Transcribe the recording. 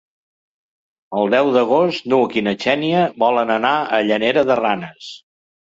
El deu d'agost n'Hug i na Xènia volen anar a Llanera de Ranes.